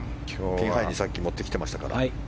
ピンハイにさっき持ってきてましたから。